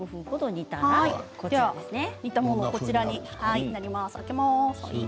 煮たものがこちらにあります。